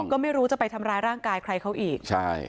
ก็ไม่รู้จะไปทำร้ายร่างกายใครเขาอีกใช่